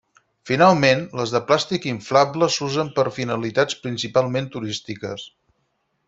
Finalment, les de plàstic inflable s'usen per finalitats principalment turístiques.